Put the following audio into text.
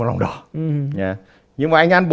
lòng đỏ nhưng mà anh ăn